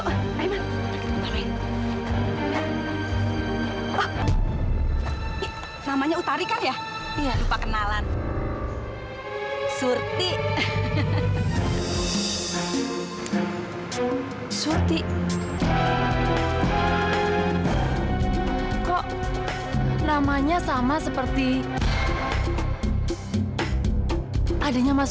hai aiman namanya utari kan ya iya lupa kenalan surti surti kok namanya sama seperti adanya mas